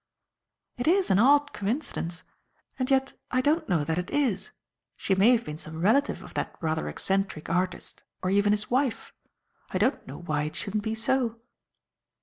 "It is an odd coincidence. And yet I don't know that it is. She may have been some relative of that rather eccentric artist, or even his wife. I don't know why it shouldn't be so."